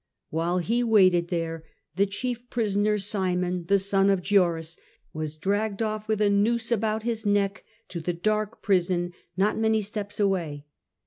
While he waited there, the chief prisoner, Simon, the son of Gioras, was dragged off, with a noose about his deck, to the dark prison not many steps away.